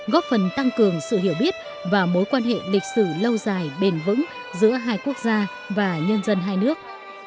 góp phần tăng cường sự hiểu biết và mối quan hệ lịch sử lâu dài bền vững giữa hai quốc gia và nhân dân hai nước